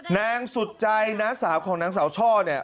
นางสุดใจหน้าหาความินักของนางสาวช่อเนี่ย